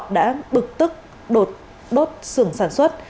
đã bực tức đốt sưởng sản xuất